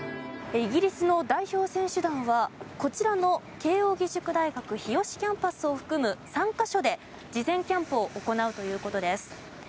イギリスの代表選手団はこちらの慶応義塾大学日吉キャンパスを含む３か所で事前キャンプを行うということです。